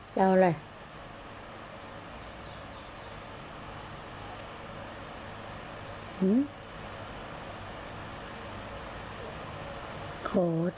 จะเอาอะไร